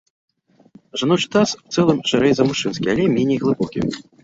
Жаночы таз ў цэлым шырэй за мужчынскі, але меней глыбокі.